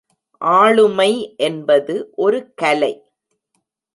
ஆளுமை என்பது ஒரு கலை.